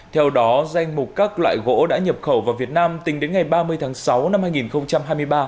theo đó danh mục các loại gỗ đã nhập khẩu vào việt nam tính đến ngày ba mươi tháng sáu năm hai nghìn hai mươi ba